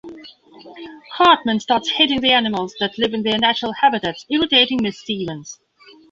Cartman starts hitting the animals that live in their natural habitats, irritating Miss Stevens.